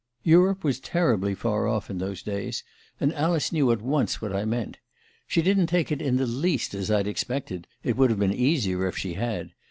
"Europe was terribly far off in those days, and Alice knew at once what I meant. She didn't take it in the least as I'd expected it would have been easier if she had.